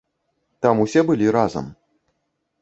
Там усе былі разам.